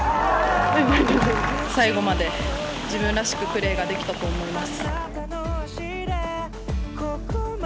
最後まで自分らしくプレーができたと思います。